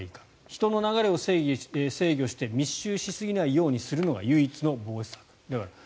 人の流れを制御して密集しすぎないようにするのが唯一の防止策であると。